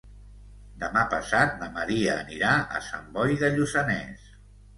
Demà passat na Maria anirà a Sant Boi de Lluçanès.